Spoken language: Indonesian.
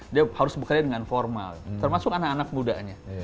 dia harus bekerja dengan formal termasuk anak anak mudanya